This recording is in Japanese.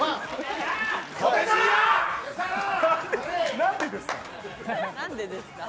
何でですか。